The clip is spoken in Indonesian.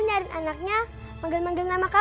dia berganti kitar itu padahal susah gua